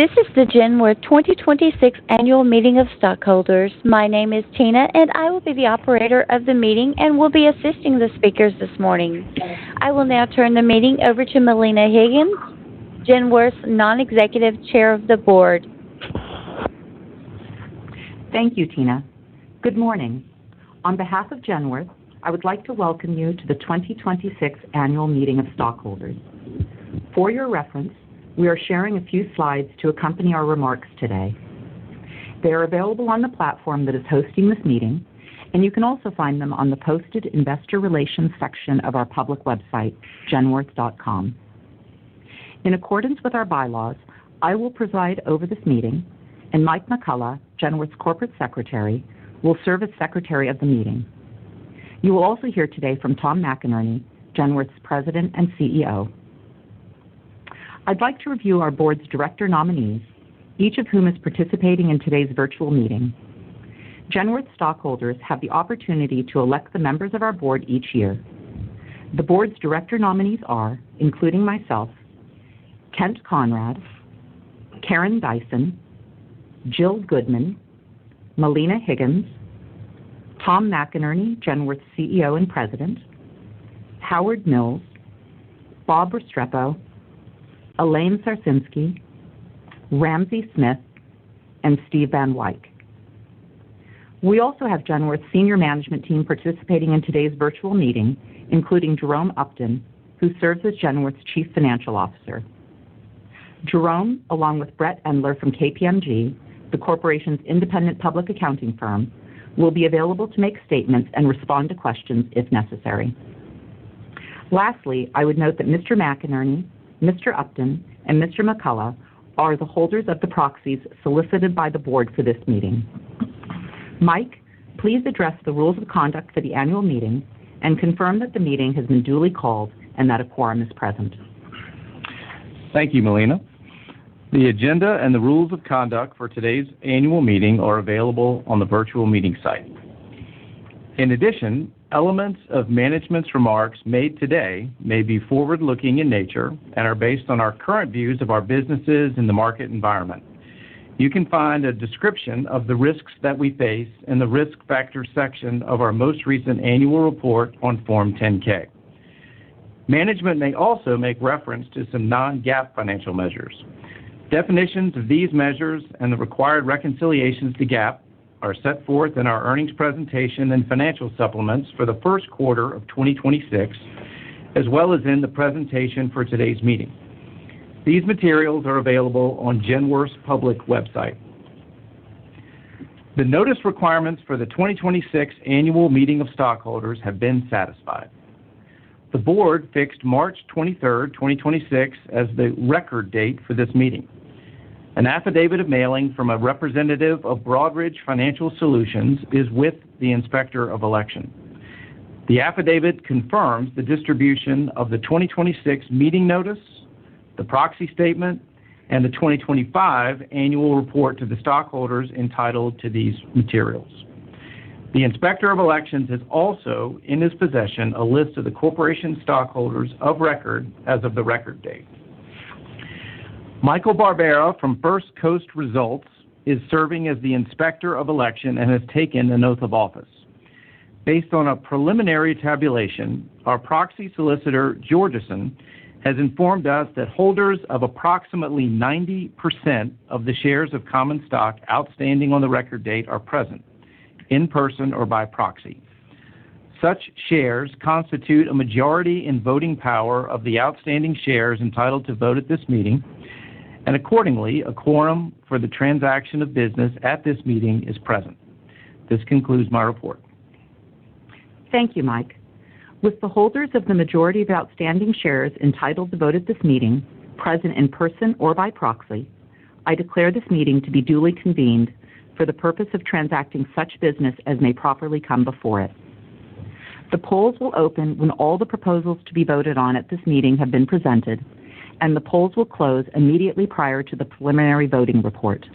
This is the Genworth 2026 Annual Meeting of Stockholders. My name is Tina, and I will be the operator of the meeting and will be assisting the speakers this morning. I will now turn the meeting over to Melina Higgins, Genworth's Non-Executive Chair of the Board. Thank you, Tina. Good morning. On behalf of Genworth, I would like to welcome you to the 2026 Annual Meeting of Stockholders. For your reference, we are sharing a few slides to accompany our remarks today. They are available on the platform that is hosting this meeting, and you can also find them on the Posted Investor Relations section of our public website, genworth.com. In accordance with our bylaws, I will preside over this meeting, and Mike McCullough, Genworth's Corporate Secretary will serve as Secretary of the meeting. You will also hear today from Tom McInerney, Genworth's President and CEO. I'd like to review our board's director nominees, each of whom is participating in today's virtual meeting. Genworth stockholders have the opportunity to elect the members of our board each year. The board's director nominees are, including myself, Kent Conrad, Karen Dyson, Jill Goodman, Melina Higgins, Tom McInerney, Genworth's CEO and President, Howard Mills, Bob Restrepo, Elaine Sarsynski, Ramsey Smith, and Steve Van Wyk. We also have Genworth's senior management team participating in today's virtual meeting, including Jerome Upton, who serves as Genworth's Chief Financial Officer. Jerome, along with Brett Endler from KPMG, the corporation's independent public accounting firm, will be available to make statements and respond to questions if necessary. Lastly, I would note that Mr. McInerney, Mr. Upton, and Mr. McCullough are the holders of the proxies solicited by the board for this meeting. Mike, please address the rules of conduct for the annual meeting and confirm that the meeting has been duly called and that a quorum is present. Thank you, Melina. The agenda and the rules of conduct for today's annual meeting are available on the virtual meeting site. In addition, elements of management's remarks made today may be forward-looking in nature and are based on our current views of our businesses and the market environment. You can find a description of the risks that we face in the Risk Factors section of our most recent annual report on Form 10-K. Management may also make reference to some non-GAAP financial measures. Definitions of these measures and the required reconciliations to GAAP are set forth in our earnings presentation and financial supplements for the first quarter of 2026, as well as in the presentation for today's meeting. These materials are available on Genworth's public website. The notice requirements for the 2026 Annual Meeting of Stockholders have been satisfied. The board fixed March 23rd, 2026, as the record date for this meeting. An affidavit of mailing from a representative of Broadridge Financial Solutions is with the Inspector of Election. The affidavit confirms the distribution of the 2026 meeting notice, the proxy statement, and the 2025 annual report to the stockholders entitled to these materials. The Inspector of Elections has also in his possession a list of the corporation stockholders of record as of the record date. Michael Barbera from First Coast Results is serving as the Inspector of Election and has taken an oath of office. Based on a preliminary tabulation, our proxy solicitor, Georgeson, has informed us that holders of approximately 90% of the shares of common stock outstanding on the record date are present in person or by proxy. Such shares constitute a majority in voting power of the outstanding shares entitled to vote at this meeting, and accordingly, a quorum for the transaction of business at this meeting is present. This concludes my report. Thank you, Mike. With the holders of the majority of outstanding shares entitled to vote at this meeting, present in person or by proxy, I declare this meeting to be duly convened for the purpose of transacting such business as may properly come before it. The polls will open when all the proposals to be voted on at this meeting have been presented, and the polls will close immediately prior to the preliminary voting report.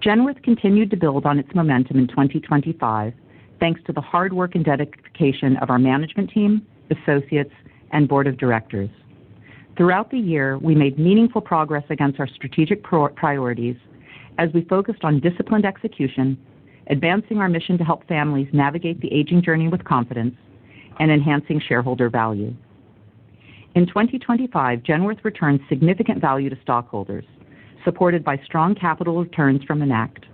Genworth continued to build on its momentum in 2025, thanks to the hard work and dedication of our management team, associates, and board of directors. Throughout the year, we made meaningful progress against our strategic priorities as we focused on disciplined execution, advancing our mission to help families navigate the aging journey with confidence and enhancing shareholder value. In 2025, Genworth returned significant value to stockholders, supported by strong capital returns from Enact.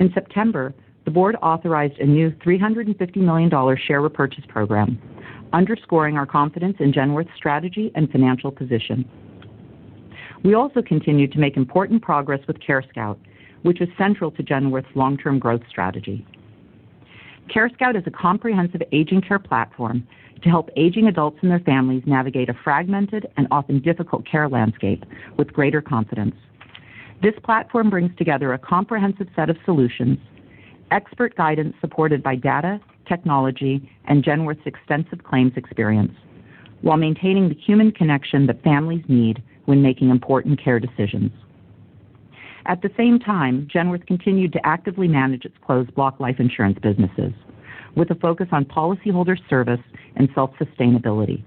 In September, the board authorized a new $350 million share repurchase program, underscoring our confidence in Genworth's strategy and financial position. We also continued to make important progress with CareScout, which is central to Genworth's long-term growth strategy. CareScout is a comprehensive aging care platform to help aging adults and their families navigate a fragmented and often difficult care landscape with greater confidence. This platform brings together a comprehensive set of solutions, expert guidance supported by data, technology, and Genworth's extensive claims experience while maintaining the human connection that families need when making important care decisions. At the same time, Genworth continued to actively manage its closed block life insurance businesses with a focus on policyholder service and self-sustainability.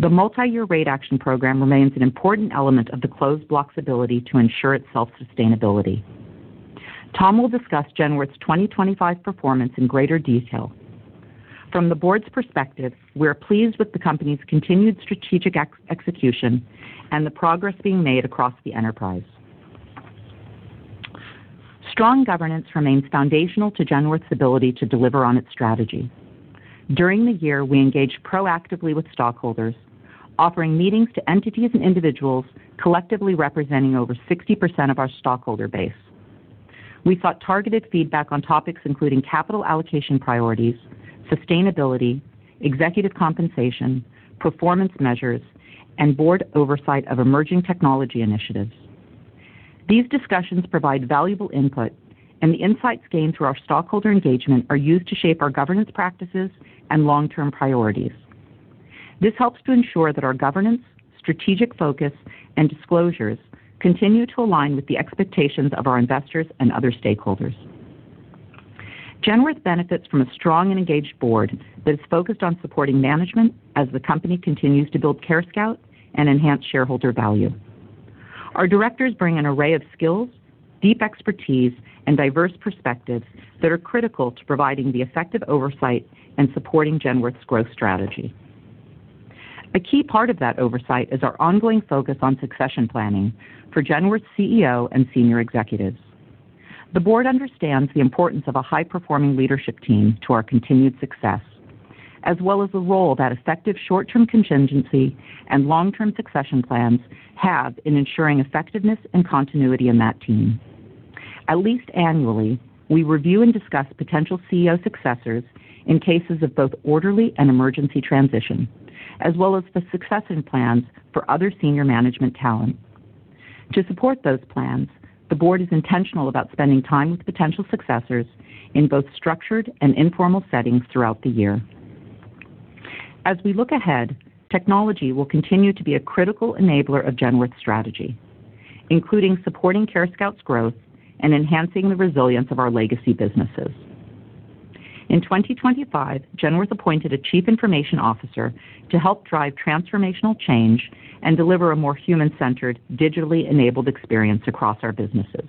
The multi-year rate action program remains an important element of the closed block's ability to ensure its self-sustainability. Tom will discuss Genworth's 2025 performance in greater detail. From the board's perspective, we are pleased with the company's continued strategic execution and the progress being made across the enterprise. Strong governance remains foundational to Genworth's ability to deliver on its strategy. During the year, we engaged proactively with stockholders, offering meetings to entities and individuals collectively representing over 60% of our stockholder base. We sought targeted feedback on topics including capital allocation priorities, sustainability, executive compensation, performance measures, and board oversight of emerging technology initiatives. These discussions provide valuable input, and the insights gained through our stockholder engagement are used to shape our governance practices and long-term priorities. This helps to ensure that our governance, strategic focus, and disclosures continue to align with the expectations of our investors and other stakeholders. Genworth benefits from a strong and engaged board that is focused on supporting management as the company continues to build CareScout and enhance shareholder value. Our directors bring an array of skills, deep expertise, and diverse perspectives that are critical to providing the effective oversight and supporting Genworth's growth strategy. A key part of that oversight is our ongoing focus on succession planning for Genworth's CEO and senior executives. The board understands the importance of a high-performing leadership team to our continued success, as well as the role that effective short-term contingency and long-term succession plans have in ensuring effectiveness and continuity in that team. At least annually, we review and discuss potential CEO successors in cases of both orderly and emergency transition, as well as the succession plans for other senior management talent. To support those plans, the board is intentional about spending time with potential successors in both structured and informal settings throughout the year. As we look ahead, technology will continue to be a critical enabler of Genworth's strategy, including supporting CareScout's growth and enhancing the resilience of our legacy businesses. In 2025, Genworth appointed a chief information officer to help drive transformational change and deliver a more human-centered, digitally enabled experience across our businesses.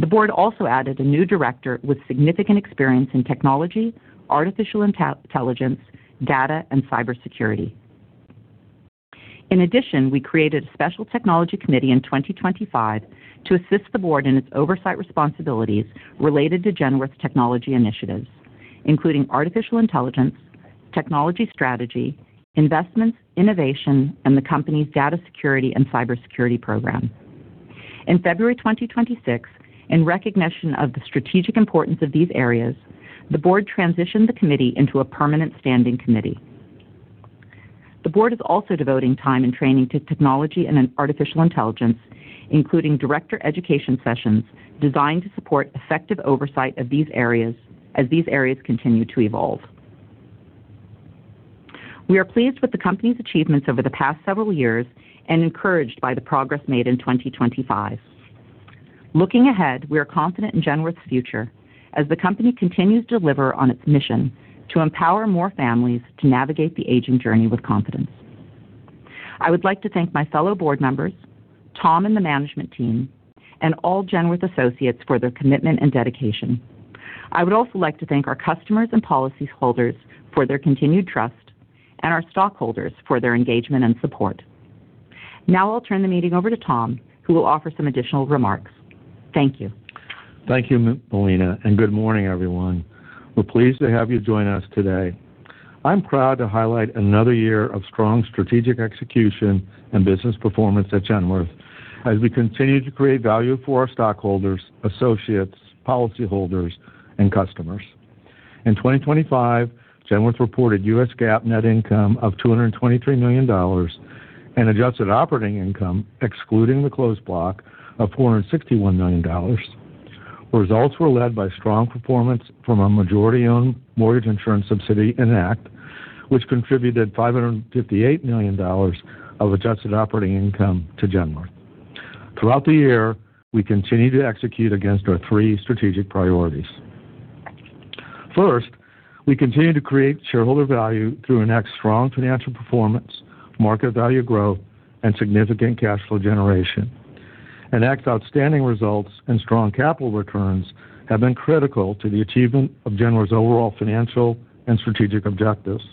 The board also added a new director with significant experience in technology, artificial intelligence, data, and cybersecurity. We created a special technology committee in 2025 to assist the board in its oversight responsibilities related to Genworth's technology initiatives, including artificial intelligence, technology strategy, investments, innovation, and the company's data security and cybersecurity program. In February 2026, in recognition of the strategic importance of these areas, the board transitioned the committee into a permanent standing committee. The board is also devoting time and training to technology and artificial intelligence, including director education sessions designed to support effective oversight as these areas continue to evolve. We are pleased with the company's achievements over the past several years and encouraged by the progress made in 2025. Looking ahead, we are confident in Genworth's future as the company continues to deliver on its mission to empower more families to navigate the aging journey with confidence. I would like to thank my fellow board members, Tom and the management team, and all Genworth associates for their commitment and dedication. I would also like to thank our customers and policyholders for their continued trust and our stockholders for their engagement and support. Now I'll turn the meeting over to Tom, who will offer some additional remarks. Thank you. Thank you, Melina. Good morning, everyone. We're pleased to have you join us today. I'm proud to highlight another year of strong strategic execution and business performance at Genworth as we continue to create value for our stockholders, associates, policyholders, and customers. In 2025, Genworth reported U.S. GAAP net income of $223 million and adjusted operating income excluding the closed block of $461 million. Results were led by strong performance from our majority-owned mortgage insurance subsidiary, Enact, which contributed $558 million of adjusted operating income to Genworth. Throughout the year, we continued to execute against our three strategic priorities. First, we continued to create shareholder value through Enact's strong financial performance, market value growth, and significant cash flow generation. Enact's outstanding results and strong capital returns have been critical to the achievement of Genworth's overall financial and strategic objectives.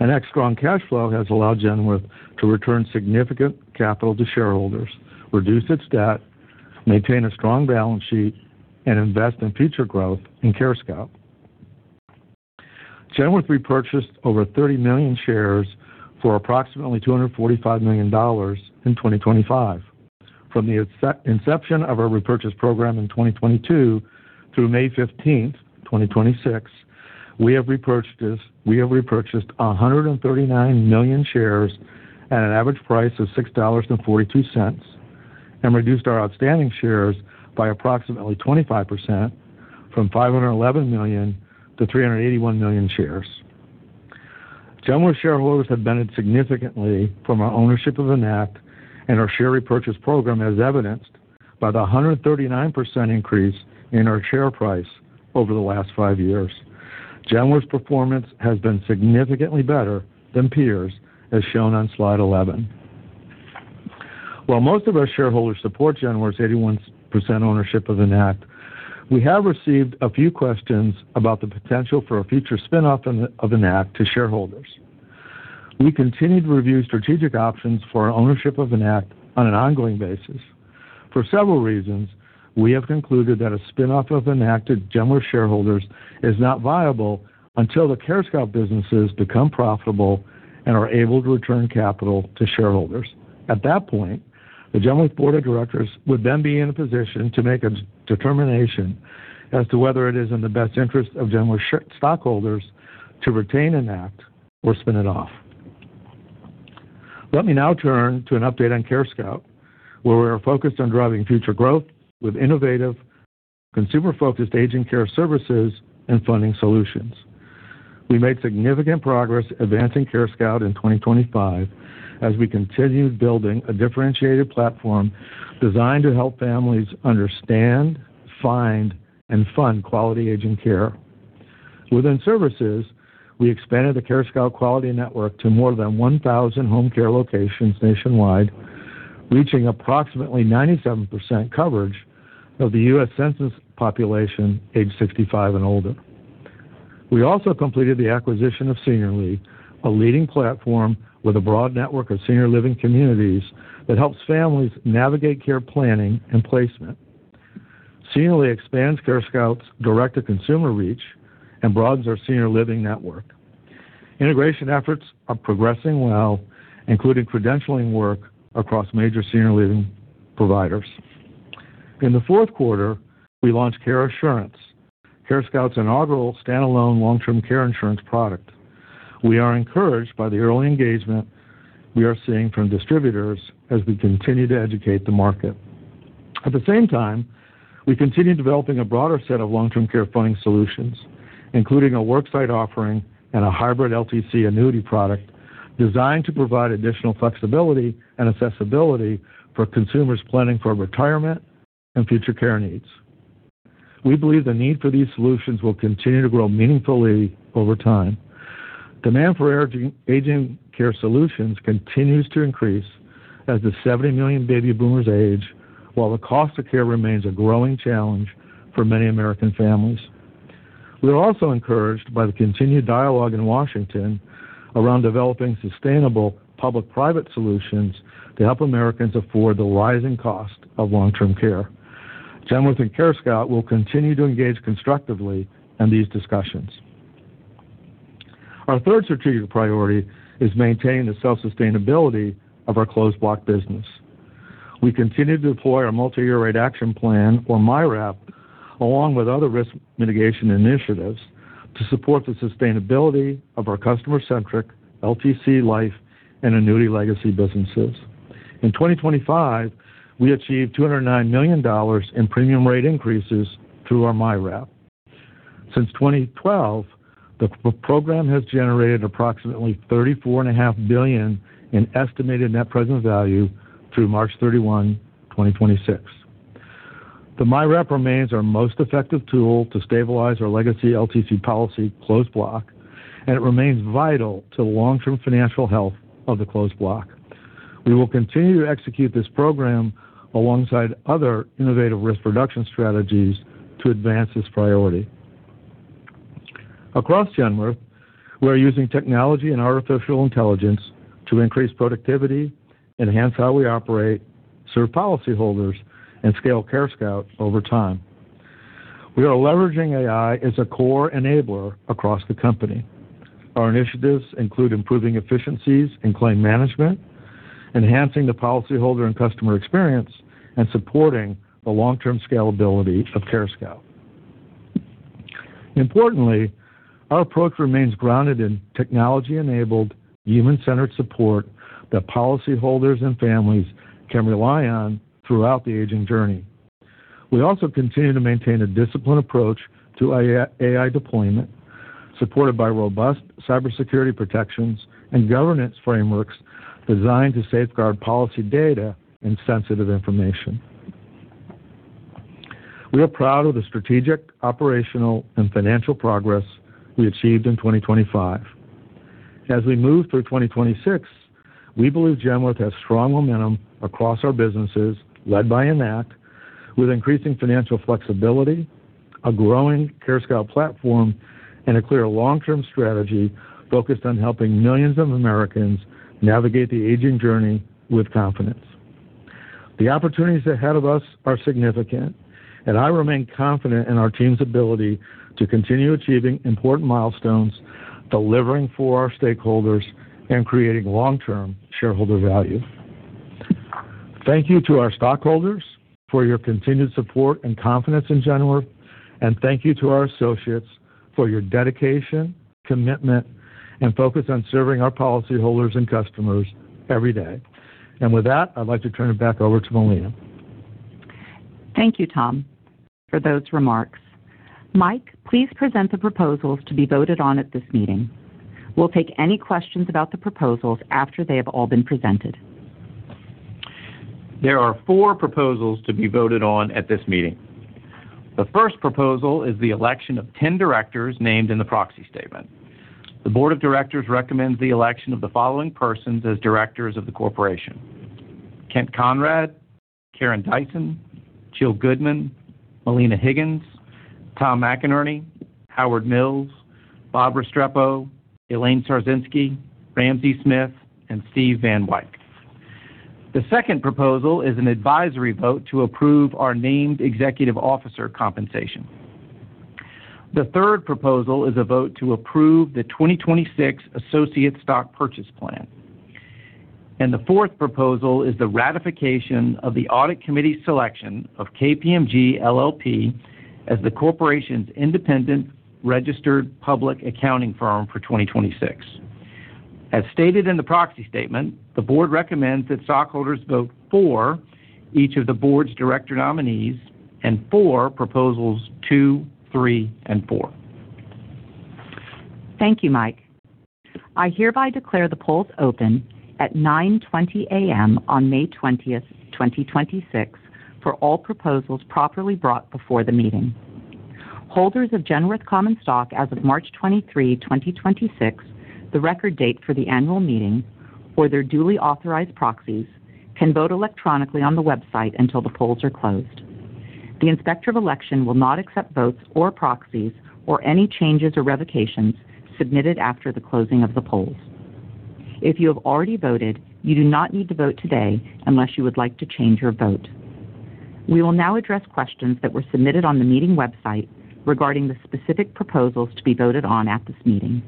Enact's strong cash flow has allowed Genworth to return significant capital to shareholders, reduce its debt, maintain a strong balance sheet, and invest in future growth in CareScout. Genworth repurchased over 30 million shares for approximately $245 million in 2025. From the inception of our repurchase program in 2022 through May 15th, 2026, we have repurchased 139 million shares at an average price of $6.42 and reduced our outstanding shares by approximately 25%, from 511 million to 381 million shares. Genworth shareholders have benefited significantly from our ownership of Enact and our share repurchase program, as evidenced by the 139% increase in our share price over the last five years. Genworth's performance has been significantly better than peers, as shown on slide 11. While most of our shareholders support Genworth's 81% ownership of Enact, we have received a few questions about the potential for a future spin-off of Enact to shareholders. We continue to review strategic options for our ownership of Enact on an ongoing basis. For several reasons, we have concluded that a spin-off of Enact to Genworth shareholders is not viable until the CareScout businesses become profitable and are able to return capital to shareholders. At that point, the Genworth Board of Directors would then be in a position to make a determination as to whether it is in the best interest of Genworth Stockholders to retain Enact or spin it off. Let me now turn to an update on CareScout, where we are focused on driving future growth with innovative, consumer-focused aging care services and funding solutions. We made significant progress advancing CareScout in 2025 as we continued building a differentiated platform designed to help families understand, find, and fund quality aging care. Within services, we expanded the CareScout Quality Network to more than 1,000 home care locations nationwide, reaching approximately 97% coverage of the U.S. census population aged 65 and older. We also completed the acquisition of Seniorly, a leading platform with a broad network of senior living communities that helps families navigate care planning and placement. Seniorly expands CareScout's direct-to-consumer reach and broadens our senior living network. Integration efforts are progressing well, including credentialing work across major senior living providers. In the fourth quarter, we launched Care Assurance, CareScout's inaugural standalone long-term care insurance product. We are encouraged by the early engagement we are seeing from distributors as we continue to educate the market. At the same time, we continue developing a broader set of long-term care funding solutions, including a worksite offering and a hybrid LTC annuity product designed to provide additional flexibility and accessibility for consumers planning for retirement and future care needs. We believe the need for these solutions will continue to grow meaningfully over time. Demand for aging care solutions continues to increase as the 70 million baby boomers age, while the cost of care remains a growing challenge for many American families. We are also encouraged by the continued dialogue in Washington around developing sustainable public-private solutions to help Americans afford the rising cost of long-term care. Genworth and CareScout will continue to engage constructively in these discussions. Our third strategic priority is maintaining the self-sustainability of our Closed Block business. We continue to deploy our Multi-Year Rate Action Plan, or MYRAP, along with other risk mitigation initiatives, to support the sustainability of our customer-centric LTC life and annuity legacy businesses. In 2025, we achieved $209 million in premium rate increases through our MYRAP. Since 2012, the program has generated approximately $34.5 billion in estimated net present value through March 31, 2026. The MYRAP remains our most effective tool to stabilize our legacy LTC policy Closed Block, and it remains vital to the long-term financial health of the Closed Block. We will continue to execute this program alongside other innovative risk reduction strategies to advance this priority. Across Genworth, we are using technology and artificial intelligence to increase productivity, enhance how we operate, serve policyholders, and scale CareScout over time. We are leveraging AI as a core enabler across the company. Our initiatives include improving efficiencies in claim management, enhancing the policyholder and customer experience, and supporting the long-term scalability of CareScout. Importantly, our approach remains grounded in technology-enabled, human-centered support that policyholders and families can rely on throughout the aging journey. We also continue to maintain a disciplined approach to AI deployment, supported by robust cybersecurity protections and governance frameworks designed to safeguard policy data and sensitive information. We are proud of the strategic, operational, and financial progress we achieved in 2025. As we move through 2026, we believe Genworth has strong momentum across our businesses, led by Enact, with increasing financial flexibility, a growing CareScout platform, and a clear long-term strategy focused on helping millions of Americans navigate the aging journey with confidence. The opportunities ahead of us are significant, and I remain confident in our team's ability to continue achieving important milestones, delivering for our stakeholders, and creating long-term shareholder value. Thank you to our stockholders for your continued support and confidence in Genworth, and thank you to our associates for your dedication, commitment, and focus on serving our policyholders and customers every day. With that, I'd like to turn it back over to Melina Higgins. Thank you, Tom, for those remarks. Mike, please present the proposals to be voted on at this meeting. We will take any questions about the proposals after they have all been presented. There are four proposals to be voted on at this meeting. The first proposal is the election of 10 directors named in the proxy statement. The board of directors recommends the election of the following persons as directors of the corporation: Kent Conrad, Karen Dyson, Jill Goodman, Melina Higgins, Tom McInerney, Howard Mills, Bob Restrepo, Elaine Sarsynski, Ramsey Smith, and Steve Van Wyk. The second proposal is an advisory vote to approve our named executive officer compensation. The third proposal is a vote to approve the 2026 Associate Stock Purchase Plan. The fourth proposal is the ratification of the audit committee's selection of KPMG LLP as the corporation's independent registered public accounting firm for 2026. As stated in the proxy statement, the board recommends that stockholders vote for each of the board's director nominees and for proposals two, three, and four. Thank you, Mike. I hereby declare the polls open at 9:20 A.M. on May 20th, 2026, for all proposals properly brought before the meeting. Holders of Genworth common stock as of March 23, 2026, the record date for the annual meeting, or their duly authorized proxies, can vote electronically on the website until the polls are closed. The Inspector of Election will not accept votes or proxies, or any changes or revocations submitted after the closing of the polls. If you have already voted, you do not need to vote today unless you would like to change your vote. We will now address questions that were submitted on the meeting website regarding the specific proposals to be voted on at this meeting.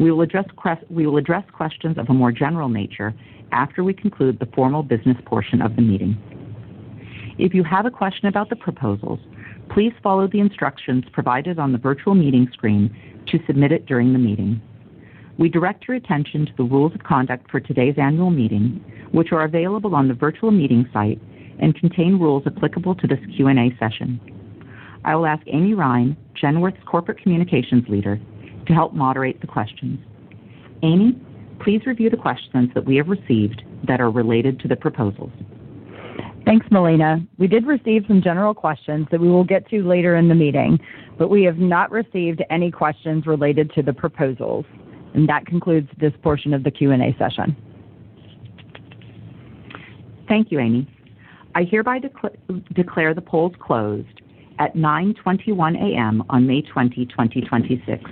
We will address questions of a more general nature after we conclude the formal business portion of the meeting. If you have a question about the proposals, please follow the instructions provided on the virtual meeting screen to submit it during the meeting. We direct your attention to the rules of conduct for today's Annual Meeting, which are available on the virtual meeting site and contain rules applicable to this Q&A session. I will ask Amy Rein, Genworth's Corporate Communications Leader, to help moderate the questions. Amy, please review the questions that we have received that are related to the proposals. Thanks, Melina. We did receive some general questions that we will get to later in the meeting, but we have not received any questions related to the proposals. That concludes this portion of the Q&A session. Thank you, Amy. I hereby declare the polls closed at 9:21 A.M. on May 20, 2026.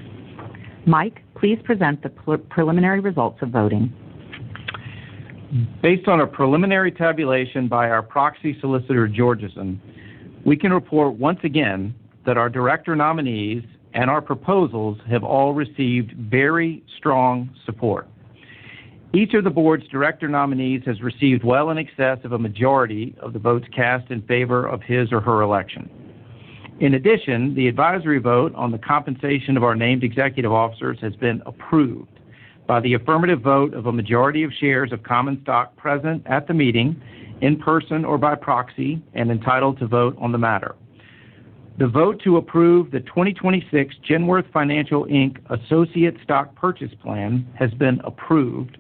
Mike, please present the preliminary results of voting. Based on a preliminary tabulation by our proxy solicitor, Georgeson, we can report once again that our director nominees and our proposals have all received very strong support. Each of the board's director nominees has received well in excess of a majority of the votes cast in favor of his or her election. In addition, the advisory vote on the compensation of our named executive officers has been approved by the affirmative vote of a majority of shares of common stock present at the meeting in person or by proxy and entitled to vote on the matter. The vote to approve the 2026 Genworth Financial, Inc. Associate Stock Purchase Plan has been approved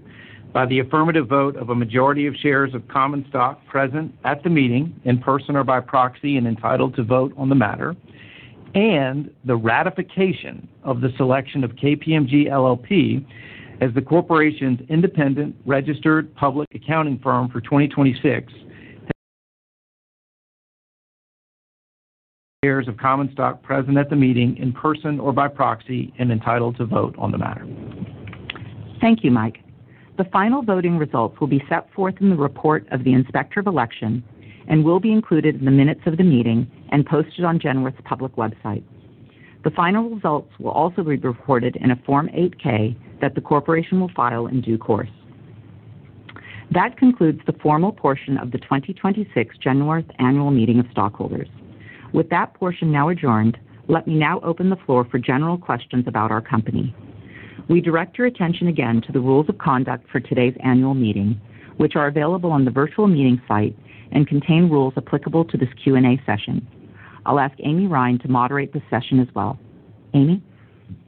by the affirmative vote of a majority of shares of common stock present at the meeting in person or by proxy and entitled to vote on the matter. The ratification of the selection of KPMG LLP as the corporation's independent registered public accounting firm for 2026. Shares of common stock present at the meeting in person or by proxy and entitled to vote on the matter. Thank you, Mike. The final voting results will be set forth in the report of the Inspector of Election and will be included in the minutes of the meeting and posted on Genworth's public website. The final results will also be reported in a Form 8-K that the corporation will file in due course. That concludes the formal portion of the 2026 Genworth Annual Meeting of Stockholders. With that portion now adjourned, let me now open the floor for general questions about our company. We direct your attention again to the rules of conduct for today's annual meeting, which are available on the virtual meeting site and contain rules applicable to this Q&A session. I'll ask Amy Rein to moderate this session as well. Amy?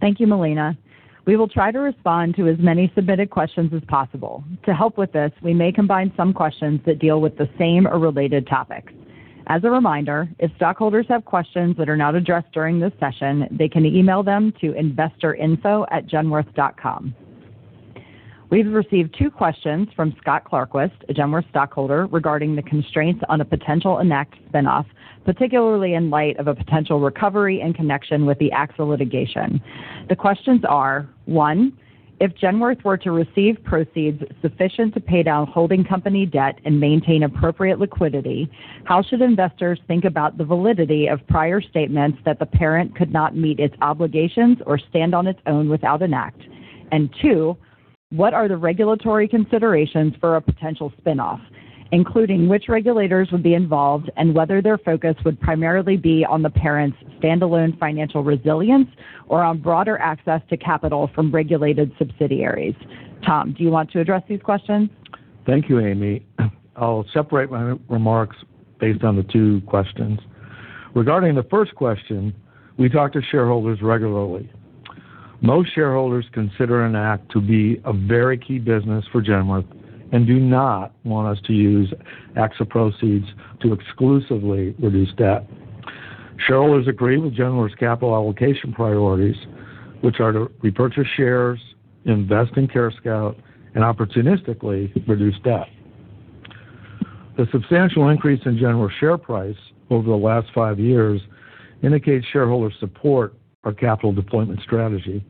Thank you, Melina. We will try to respond to as many submitted questions as possible. To help with this, we may combine some questions that deal with the same or related topics. As a reminder, if stockholders have questions that are not addressed during this session, they can email them to investorinfo@genworth.com. We've received two questions from Scott Klarquist, a Genworth stockholder, regarding the constraints on a potential Enact spinoff, particularly in light of a potential recovery in connection with the AXA litigation. The questions are, one, if Genworth were to receive proceeds sufficient to pay down holding company debt and maintain appropriate liquidity, how should investors think about the validity of prior statements that the parent could not meet its obligations or stand on its own without Enact? Two, what are the regulatory considerations for a potential spinoff, including which regulators would be involved and whether their focus would primarily be on the parent's standalone financial resilience or on broader access to capital from regulated subsidiaries? Tom, do you want to address these questions? Thank you, Amy. I'll separate my remarks based on the two questions. Regarding the first question, we talk to shareholders regularly. Most shareholders consider Enact to be a very key business for Genworth and do not want us to use Enact's proceeds to exclusively reduce debt. Shareholders agree with Genworth's capital allocation priorities, which are to repurchase shares, invest in CareScout, and opportunistically reduce debt. The substantial increase in Genworth's share price over the last five years indicates shareholder support for capital deployment strategy.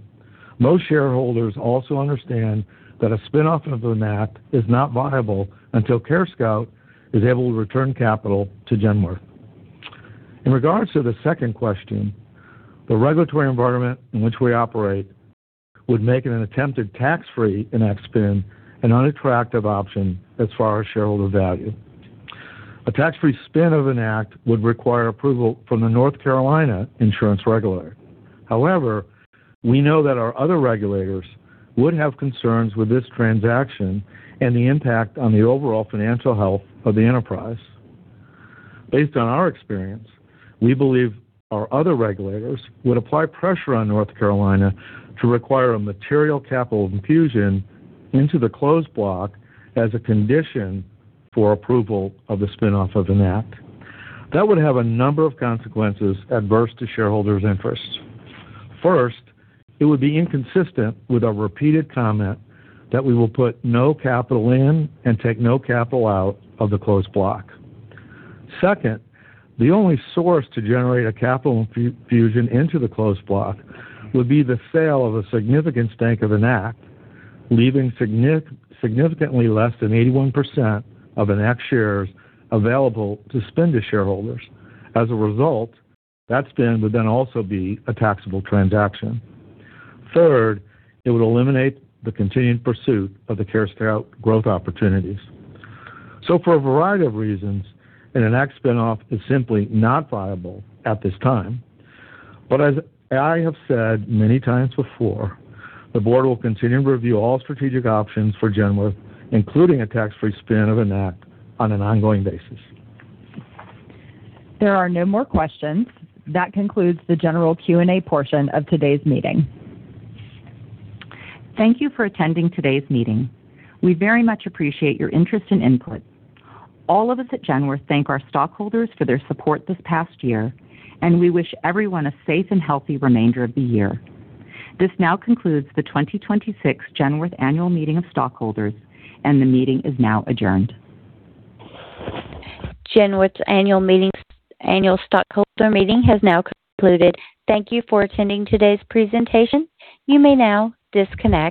Most shareholders also understand that a spin-off of Enact is not viable until CareScout is able to return capital to Genworth. In regard to the second question, the regulatory environment in which we operate would make an attempted tax-free Enact spin an unattractive option as far as shareholder value. A tax-free spin of Enact would require approval from the North Carolina Department of Insurance. However, we know that our other regulators would have concerns with this transaction and the impact on the overall financial health of the enterprise. Based on our experience, we believe our other regulators would apply pressure on North Carolina to require a material capital infusion into the closed block as a condition for approval of the spin-off of Enact. That would have a number of consequences adverse to shareholders' interests. First, it would be inconsistent with our repeated comment that we will put no capital in and take no capital out of the closed block. Second, the only source to generate a capital infusion into the closed block would be the sale of a significant stake of Enact, leaving significantly less than 81% of Enact shares available to spin to shareholders. As a result, that spin would then also be a taxable transaction. Third, it would eliminate the continued pursuit of the CareScout growth opportunities. For a variety of reasons, an Enact spin-off is simply not viable at this time. As I have said many times before, the board will continue to review all strategic options for Genworth, including a tax-free spin of Enact on an ongoing basis. There are no more questions. That concludes the general Q&A portion of today's meeting. Thank you for attending today's meeting. We very much appreciate your interest and input. All of us at Genworth thank our stockholders for their support this past year, and we wish everyone a safe and healthy remainder of the year. This now concludes the 2026 Genworth Annual Meeting of Stockholders, and the meeting is now adjourned. Genworth's Annual Stockholder Meeting has now concluded. Thank you for attending today's presentation. You may now disconnect.